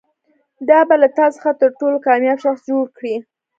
دا به له تا څخه تر ټولو کامیاب شخص جوړ کړي.